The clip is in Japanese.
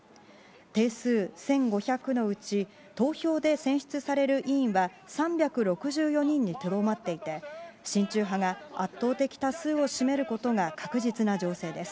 定数１５００のうち投票で選出される委員は３６４人にとどまっていて親中派が圧倒的多数を占めることが確実な情勢です。